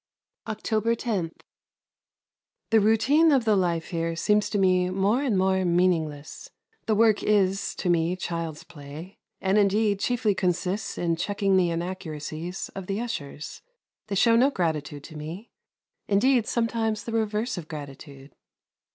October 10. The routine of the life here seems to me more and more meaningless. The work is to me child's play; and indeed chiefly consists in checking the inaccuracies of the ushers. They show no gratitude to me indeed, sometimes the reverse of gratitude.